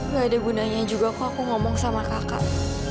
gak ada gunanya juga kok aku ngomong sama kakak